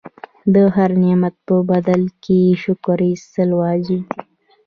د هر نعمت په بدل کې شکر ایستل واجب دي.